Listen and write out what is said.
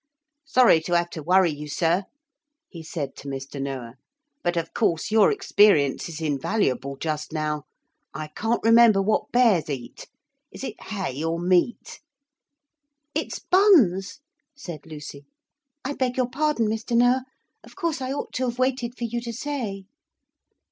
'Sorry to have to worry you, sir,' he said to Mr. Noah, 'but of course your experience is invaluable just now. I can't remember what bears eat. Is it hay or meat?' 'It's buns,' said Lucy. 'I beg your pardon, Mr. Noah. Of course I ought to have waited for you to say.'